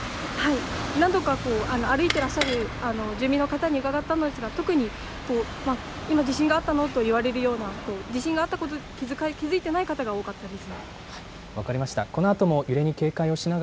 はい、何度か歩いていらっしゃる住民の方に伺ったのですが特に今、地震があったの？と言われるような、地震があったことに気付いていない方が多かったです。